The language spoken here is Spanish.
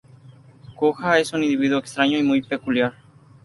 Kuja es un individuo extraño y muy peculiar.